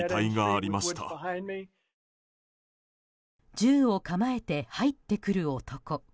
銃を構えて入ってくる男。